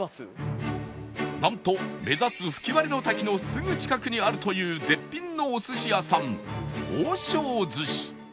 なんと目指す吹割の滝のすぐ近くにあるという絶品のお寿司屋さんオウショウズシ